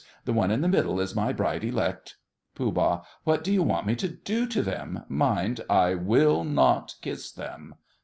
The one in the middle is my bride elect. POOH. What do you want me to do to them? Mind, I will not kiss them.